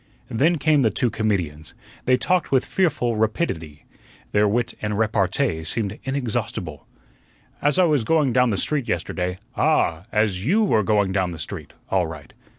Then came the two comedians. They talked with fearful rapidity; their wit and repartee seemed inexhaustible. "As I was going down the street yesterday " "Ah! as YOU were going down the street all right."